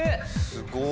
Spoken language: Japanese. すごい。